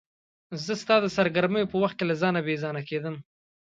زه ستا د سرګرمیو په وخت کې له ځانه بې ځانه کېدم.